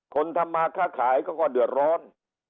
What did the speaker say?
คนทำมาค่าขายเขาก็เดือดร้อน